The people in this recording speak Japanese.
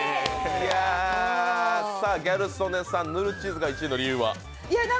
ギャル曽根さん、ぬるチーズが１位の理由は？